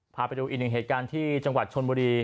พาไปดูอีกหนึ่งเหตุการณ์ที่จังหวัดชนบุรี